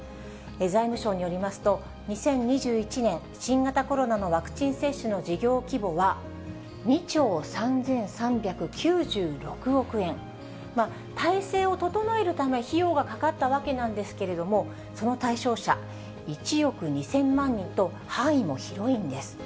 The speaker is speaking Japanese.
財務省によりますと、２０２１年、新型コロナのワクチン接種の事業規模は、２兆３３９６億円、体制を整えるため、費用がかかったわけなんですけれども、その対象者、１億２０００万人と、範囲も広いんです。